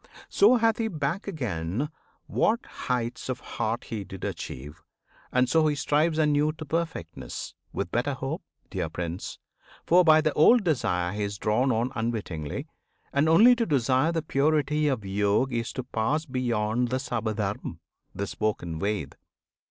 So hath he back again what heights of heart He did achieve, and so he strives anew To perfectness, with better hope, dear Prince! For by the old desire he is drawn on Unwittingly; and only to desire The purity of Yog is to pass Beyond the Sabdabrahm, the spoken Ved.